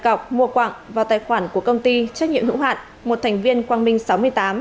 cọc mua quặng vào tài khoản của công ty trách nhiệm hữu hạn một thành viên quang minh sáu mươi tám